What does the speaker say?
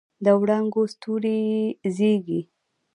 د وړانګو ستوري زیږي